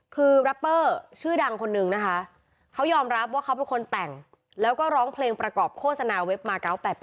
คือแรปเปอร์ชื่อดังคนนึงนะคะเขายอมรับว่าเขาเป็นคนแต่งแล้วก็ร้องเพลงประกอบโฆษณาเว็บมา๙๘๘